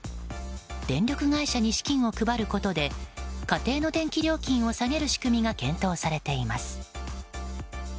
電力会社に資金を配ることで家庭の電気料金を下げる仕組みが検討されています。